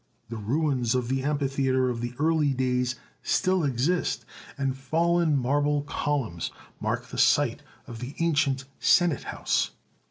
The ruins of the amphitheatre of the early days still exist, and fallen marble columns mark the site of the ancient senate house.